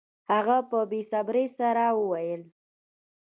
هغه په بې صبرۍ سره وویل